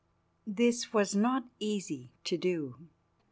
This was not easy to do.